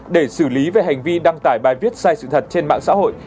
để xử lý về hành vi đăng tải bài viết sai sự thật trên mạng xã hội